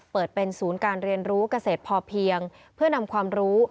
เปิดเป็นศูนย์การเรียนรู้เกษตรพอเพียงเพื่อนำความรู้